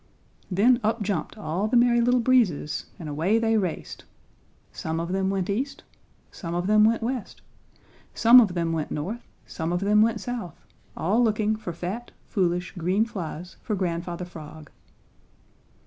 Then up jumped all the Merry Little Breezes and away they raced. Some of them went east, some of them went west, some of them went north, some of them went south, all looking for fat, foolish, green flies for Grandfather Frog.